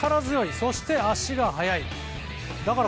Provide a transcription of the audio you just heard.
そして足が速い。